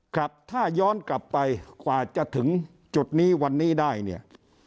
ครับถ้าย้อนกลับไปกว่าจะถึงจุดนี้วันนี้ได้เนี่ย